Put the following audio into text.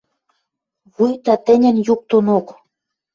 Вуйта тӹньӹн юк донок.